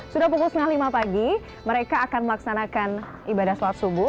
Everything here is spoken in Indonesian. sudah pukul setengah lima pagi mereka akan melaksanakan ibadah sholat subuh